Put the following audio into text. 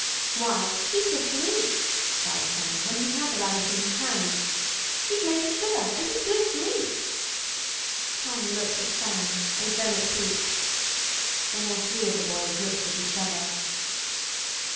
"Why, he's good to eat!" cried Sam, when he had the Rabbit in his hands. "He's made of sugar, and he's good to eat!" Tom looked at Sam and then at Pete. Then all three of the boys looked at each other.